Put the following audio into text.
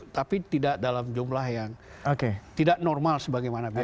tapi tidak dalam jumlah yang tidak normal sebagaimana biasa